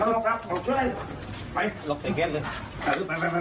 อ่าอื้มอื้มอื้มอื้มไว้ไม่ไหวไม่ไหวไม่ไหว